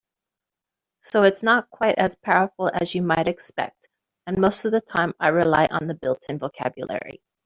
So it's not quite as powerful as you might expect, and most of the time I rely on the built-in vocabulary.